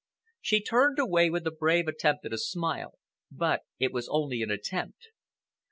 She turned away with a brave attempt at a smile, but it was only an attempt.